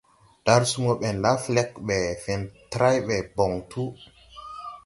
Darsumo ɓɛn la flɛg mbɛ fentray ɓɛ bɔŋ tu.